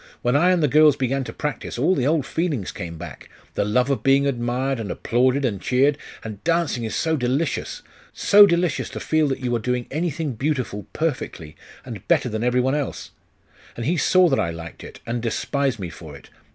When I and the girls began to practise, all the old feelings came back the love of being admired, and applauded, and cheered; and dancing is so delicious! so delicious to feel that you are doing anything beautiful perfectly, and better than every one else!.... And he saw that I liked it, and despised me for it....